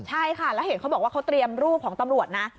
ใช่ค่ะแล้วเห็นเขาบอกว่าเขาเตรียมรูปของตำรวจนะ